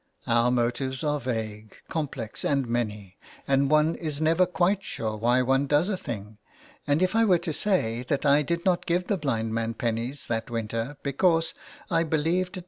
Our motives are vague, com plex and many, and one is never quite sure why one does a thing, and if I were to say that I did not give the blind man pennies that winter because I believed it 274 ALMS GIVING.